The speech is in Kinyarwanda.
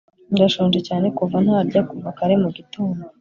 ndashonje cyane kuva ntarya kuva kare mugitondo